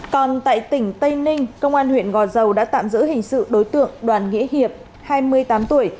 còn tại tỉnh tây ninh công an huyện gò dầu đã tạm giữ hình sự đối tượng đoàn nghĩa hiệp hai mươi tám tuổi